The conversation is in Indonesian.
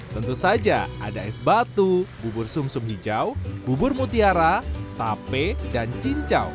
tentu saja ada es batu bubur sum sum hijau bubur mutiara tape dan cincau